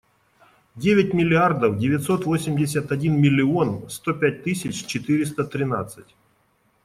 Девять миллиардов девятьсот восемьдесят один миллион сто пять тысяч четыреста тринадцать.